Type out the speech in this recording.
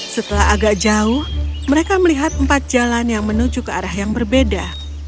setelah agak jauh mereka melihat empat jalan yang menuju ke arah yang berbeda